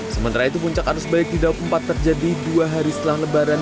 sementara itu puncak arus balik di daup empat terjadi dua hari setelah lebaran